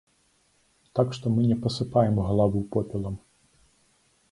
Так што мы не пасыпаем галаву попелам.